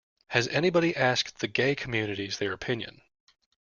Has anybody asked the gay communities their opinion?